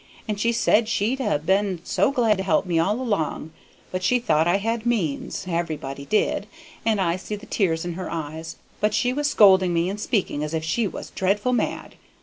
And she said she'd ha' been so glad to help me all along, but she thought I had means, everybody did; and I see the tears in her eyes, but she was scolding me and speaking as if she was dreadful mad.